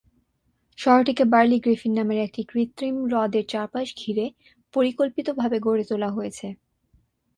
শহরটিকে Burley Griffin নামের একটি কৃত্রিম হ্রদের চারপাশ ঘিরে পরিকল্পিতভাবে গড়ে তোলা হয়েছে।